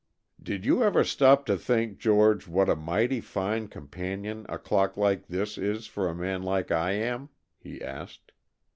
"Did you ever stop to think, George, what a mighty fine companion a clock like this is for a man like I am?" he asked.